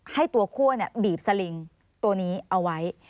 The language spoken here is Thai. ให้ตัวคั่วบีบสลิงตัวนี้เอาไว้